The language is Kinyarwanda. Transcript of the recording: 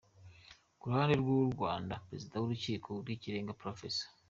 Ku ruhande rw’u Rwanda, Perezida w’Urukiko rw’Ikirenga, Prof.